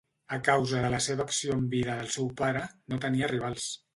A causa de la seva acció en vida del seu pare, no tenia rivals.